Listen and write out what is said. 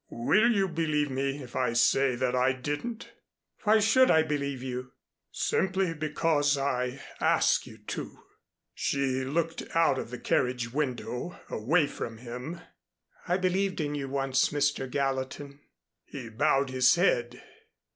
"Will you believe me if I say that I didn't?" "Why should I believe you?" "Simply because I ask you to." She looked out of the carriage window away from him. "I believed in you once, Mr. Gallatin." He bowed his head.